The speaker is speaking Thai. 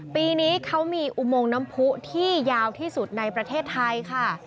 ปีนี้เขามีอุโมงน้ำผู้ที่ยาวที่สุดในประเทศไทยค่ะ